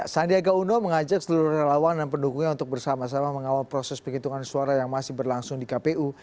sandiaga uno mengajak seluruh relawan dan pendukungnya untuk bersama sama mengawal proses penghitungan suara yang masih berlangsung di kpu